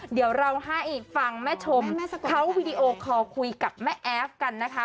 เดี๋ยวเราให้ฟังแม่ชมเขาวีดีโอคอลคุยกับแม่แอฟกันนะคะ